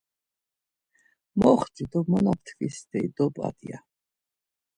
Moxti do ma na ptkvi steri dop̌at! ya.